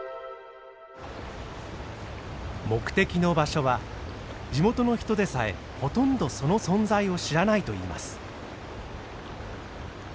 目的の場所は地元の人でさえほとんどその存在を知らないといいます。